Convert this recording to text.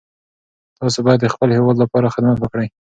تاسو باید د خپل هیواد لپاره خدمت وکړئ.